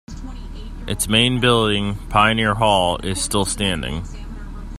Its main building, Pioneer Hall, is still standing.